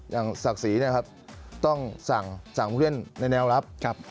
อย่างศักดิ์ศรีต้องสั่งผู้เล่นในแนวรับ